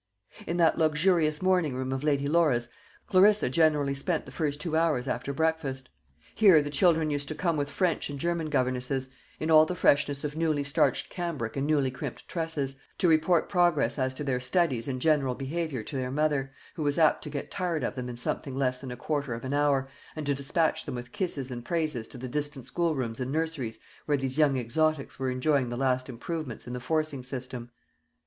In that luxurious morning room of Lady Laura's Clarissa generally spent the first two hours after breakfast. Here the children used to come with French and German governesses, in all the freshness of newly starched cambric and newly crimped tresses, to report progress as to their studies and general behaviour to their mother; who was apt to get tired of them in something less than a quarter of an hour, and to dispatch them with kisses and praises to the distant schoolrooms and nurseries where these young exotics were enjoying the last improvements in the forcing system.